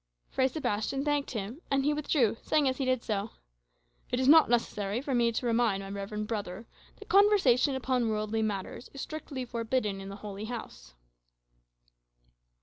Fray Sebastian thanked him, and he withdrew, saying as he did so, "It is not necessary for me to remind my reverend brother that conversation upon worldly matters is strictly forbidden in the Holy House."